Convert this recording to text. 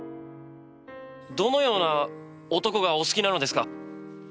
どのような男がお好きなのですか？